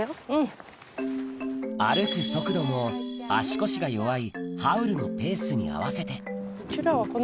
歩く速度も足腰が弱いハウルのペースに合わせてうちらは。